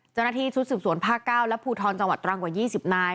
เจ้าหน้าที่ชุดสืบสวนภาค๙และภูทรจังหวัดตรังกว่า๒๐นาย